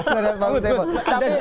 sempat tidak ada